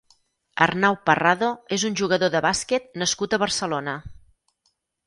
Arnau Parrado és un jugador de bàsquet nascut a Barcelona.